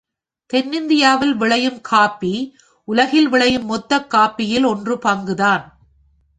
தென்னிந்தியாவில் விளையும் காஃபி, உலகில் விளையும் மொத்தக் காஃபியில் ஒன்று பங்குதான்.